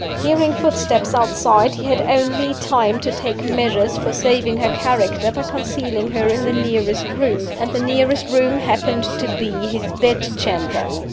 Hearing footsteps outside, he had only time to take measures for saving her character by concealing her in the nearest room and the nearest room happened to be his bedchamber.